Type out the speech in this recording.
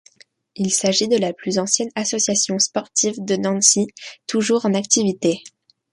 Il s'agit de la plus ancienne association sportive de Nancy toujours en activité.